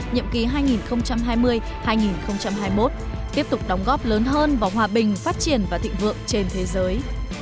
nhiệm kỳ hai nghìn hai mươi hai nghìn hai mươi một tiếp tục đóng góp lớn hơn vào hòa bình phát triển và thịnh vượng trên thế giới